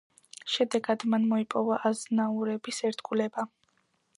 შედეგად მან მოიპოვა აზნაურების ერთგულება.